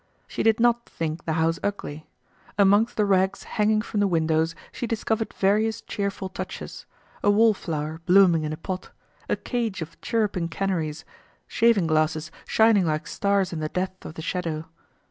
She did not think the house ugly. Amongst the rags hanging from the windows she discovered various cheerful touches—a wall flower blooming in a pot, a cage of chirruping canaries, shaving glasses shining like stars in the depth of the shadow.